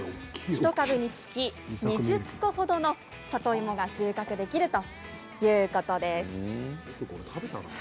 １株につき２０個程の里芋が収穫できるということです。